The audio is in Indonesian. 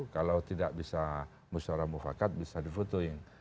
kalau tidak bisa musyawara mufakat bisa di fotoing